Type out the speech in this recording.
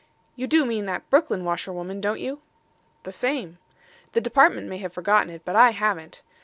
You do mean that Brooklyn washerwoman, don't you?" "The same. The Department may have forgotten it, but I haven't.